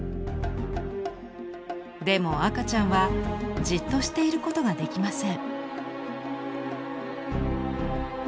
でも赤ちゃんはじっとしていることができません。